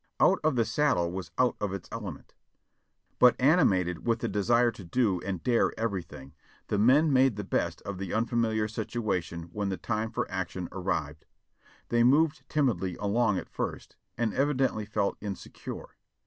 Out of the saddle was out of its element; but animated with a desire to do and dare everything, the men made the best of the unfamiliar situation when the time for ac tion arrived. They moved timidly along at first, and evidently felt insecure.